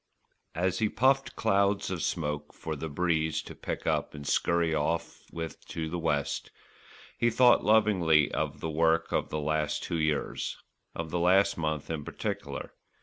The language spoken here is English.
As he puffed clouds of smoke for the breeze to pick up and scurry off with to the west, he thought lovingly of the work of the last two years, of the last month in particular.